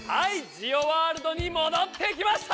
ジオワールドにもどってきました！